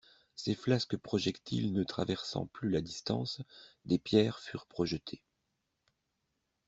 Ces flasques projectiles ne traversant plus la distance, des pierres furent projetées.